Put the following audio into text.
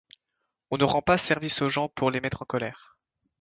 On ne rend pas service aux gens pour les mettre en colère.